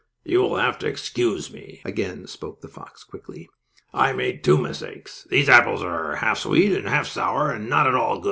"You will have to excuse me," again spoke the fox quickly. "I made two mistakes. These apples are half sweet and half sour, and not good at all."